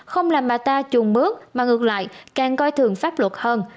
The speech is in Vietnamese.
không làm bà ta chuồn bước mà ngược lại càng coi thường pháp luật hơn